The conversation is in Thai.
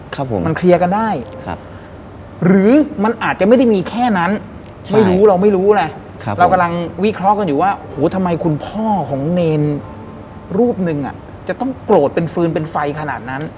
ร้อนกำลังวิเคราะห์กันอยู่ว่าทำไมคุณพ่อของเนย์รูปหนึ่งจะต้องโกรธเป็นฟืนเป็นไฟขนาดนั้น